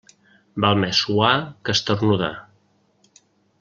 Val més suar que esternudar.